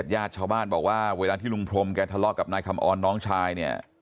ญาติชาวบ้านบอกว่าเวลาที่ลุงพรมแกทะเลาะกับนายคำออนน้องชายเนี่ย